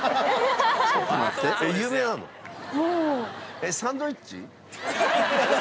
えサンドイッチ。